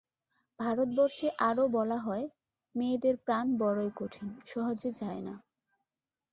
ভারতবর্ষে আরও বলা হয়, মেয়েদের প্রাণ বড়ই কঠিন, সহজে যায় না।